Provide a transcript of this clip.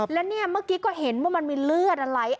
และเนี่ยเมื่อกี้ก็เห็นว่ามันมีเลือดอะไร